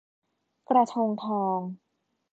กระทงทอง